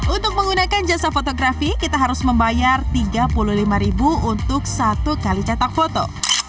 untuk menggunakan jasa fotografi kita harus membayar rp tiga puluh lima untuk satu kali cetak foto